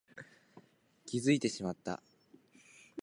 気づいてしまった